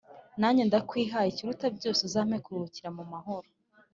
Nanjye ndakwihaye ikiruta byose uzampe kuruhukira mu mahoro